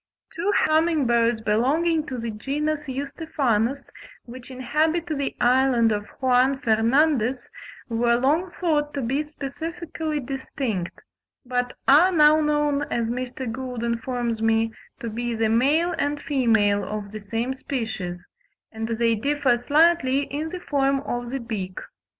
Two humming birds belonging to the genus Eustephanus, which inhabit the island of Juan Fernandez, were long thought to be specifically distinct, but are now known, as Mr. Gould informs me, to be the male and female of the same species, and they differ slightly in the form of the beak.